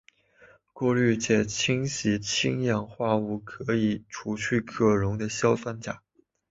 过滤且清洗氢氧化物以除去可溶的硝酸钾。